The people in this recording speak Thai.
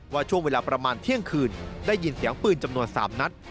ว่าช่วงเวลาประมาณเที่ยงคืนได้ยินเสียงปืนจำนวน๓นัด